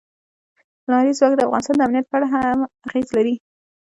لمریز ځواک د افغانستان د امنیت په اړه هم اغېز لري.